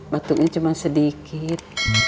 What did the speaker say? batuknya cuma sedikit